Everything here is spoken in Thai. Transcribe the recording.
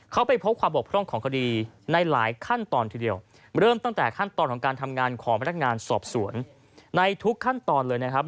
เขาไปพบความบกพร่องของคดีในหลายขั้นตอนทีเดียวเริ่มตั้งแต่ขั้นตอนของการทำงานของพนักงานสอบสวนในทุกขั้นตอนเลยนะครับ